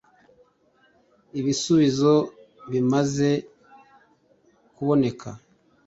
Ibisubizo bimaze kuboneka